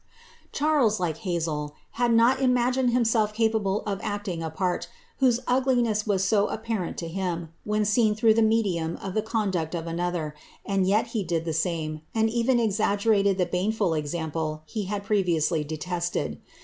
Charles, like Ilazael, had not imagined himself capable of actmg a part, whose ugliness was so apparent to him, when seen through the iiiL'iIium of the conduct of anotlier; and yet he did the same, and even exaggerated the baneful example he had previously detested.